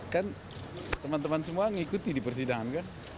kan teman teman semua mengikuti di persidangan kan